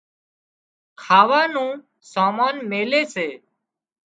کاوا نُون سامان ميلي سي